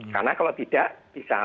karena kalau tidak bisa